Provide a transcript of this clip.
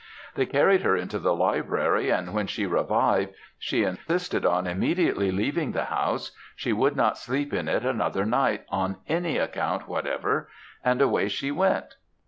They carried her into the library, and when she revived, she insisted on immediately leaving the house; she would not sleep in it another night on any account whatever, and away she went.